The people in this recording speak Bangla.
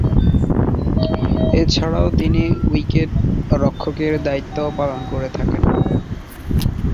এছাড়াও তিনি উইকেট-রক্ষকের দায়িত্বও পালন করে থাকেন।